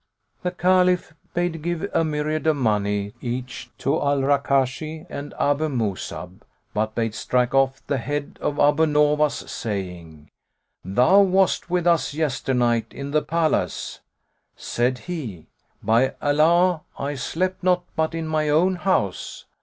'" The Caliph bade give a myriad of money each to Al Rakashi and Abu Mus'ab, but bade strike off the head of Abu Nowas, saying, "Thou wast with us yesternight in the palace." Said he, "By Allah, I slept not but in my own house!